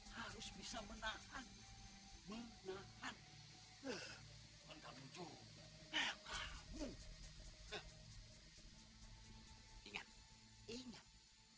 harus bisa menahan